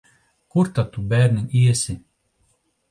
Kur tad tu, bērniņ, iesi?